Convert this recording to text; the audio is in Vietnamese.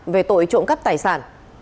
về tội trộm cắp tài sản